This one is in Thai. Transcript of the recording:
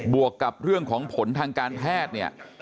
วกกับเรื่องของผลทางการแพทย์เนี่ย